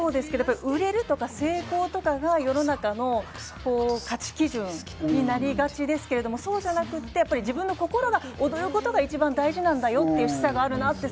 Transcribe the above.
そうですけど、売れるとか成功とかが世の中の価値基準になりがちですけど、そうじゃなくて、自分の心が躍ることが一番大事なんだよって思いました。